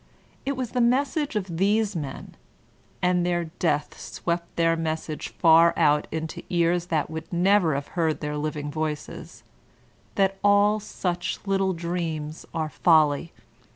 It was the message of these men, (and their death swept thai message far out into ears that would never have heard their living voices), that all such little dreams are folly.